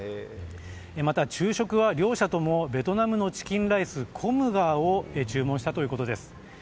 また昼食は両者ともベトナムのチキンライスコムガーを注文したということです。